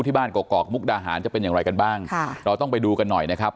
บ้านกอกมุกดาหารจะเป็นอย่างไรกันบ้างค่ะเราต้องไปดูกันหน่อยนะครับ